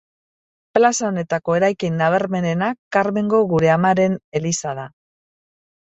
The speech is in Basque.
Plaza honetako eraikin nabarmenena Karmengo Gure Amaren eliza da.